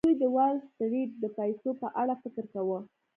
دوی د وال سټریټ د پیسو په اړه فکر کاوه